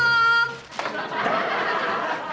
selamat siang om